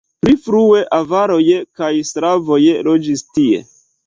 Pli frue avaroj kaj slavoj loĝis tie.